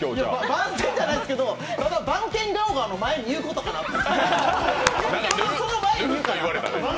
番宣じゃないですけど、ただ番犬ガオガオの前に言うことかなと。